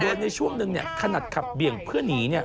นะครับในช่วงนึงเนี่ยขนาดขับเหี่ยงเพื่อนหนีเนี่ย